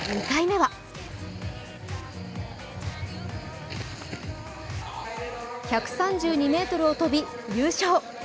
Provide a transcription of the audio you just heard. ２回目は１３２ｍを飛び、優勝。